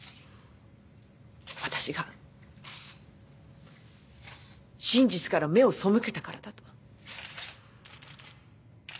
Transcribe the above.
私が真実から目を背けたからだと。